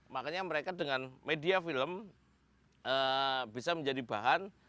makanya mereka dengan media film bisa menjadi bahan